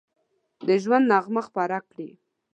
د ژوند نغمه خپره کړي